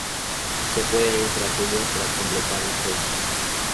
Se puede ir tras ellos tras completar el juego.